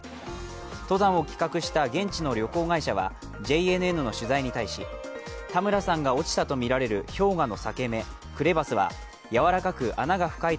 登山を企画した旅行会社はＪＮＮの取材に対しタムラさんが落ちたとみられる氷河の裂け目＝クレバスはやわらかく穴が深い